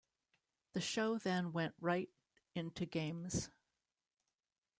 The show then went right into games.